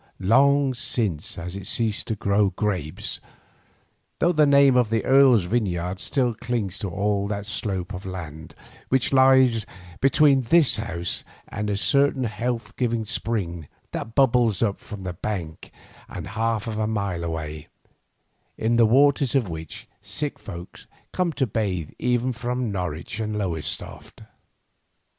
Long since it has ceased to grow grapes, though the name of the "Earl's Vineyard" still clings to all that slope of land which lies between this house and a certain health giving spring that bubbles from the bank the half of a mile away, in the waters of which sick folks come to bathe even from Norwich and Lowestoft.